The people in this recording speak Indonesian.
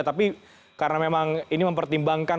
tapi karena memang ini mempertimbangkan